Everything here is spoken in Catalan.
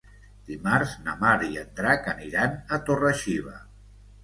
Dimarts na Mar i en Drac aniran a Torre-xiva.